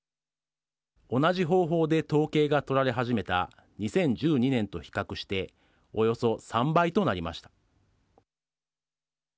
同じ方法で統計が取られ始めた２０１２年と比較しておよそ３倍となりました。